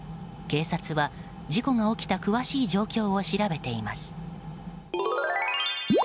警察は、事故が起きた詳しい状況を調べています。